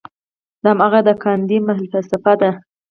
دا هماغه د ګاندي فلسفه ده.